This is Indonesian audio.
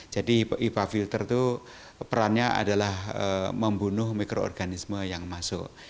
ipa filter itu perannya adalah membunuh mikroorganisme yang masuk